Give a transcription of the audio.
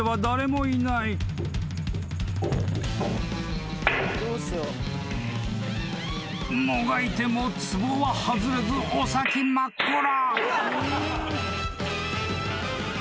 ［もがいてもつぼは外れずお先真っ暗］